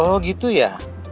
oh gitu ya